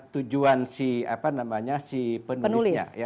tujuan si penulisnya